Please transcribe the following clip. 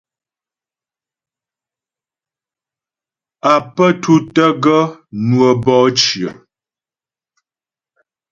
Á pə́ tútə́ gaə́ ŋwə́ bɔ'ɔ cyə.